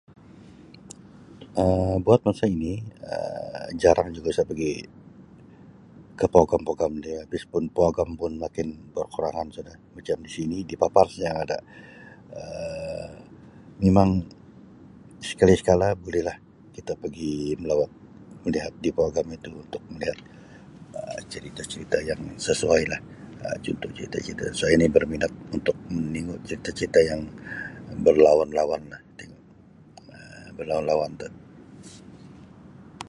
Um Buat masa ini Um jarang juga saya pigi ke pawagam-pawagam dia habis pun pawagam pun makin berkurangan sudah macam sini di Papar saja yang ada Um mimang sekali sekala buli lah kita pigi melawat melihat di pawagam itu untuk melihat Um cerita-cerita yang sesuai lah Um contoh cerita-cerita yang sesuai ni berminat untuk meningu cerita cerita yang berlawan lawan lah tingu Um belawan lawan tu.